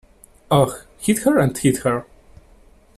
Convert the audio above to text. Oh, hither and thither.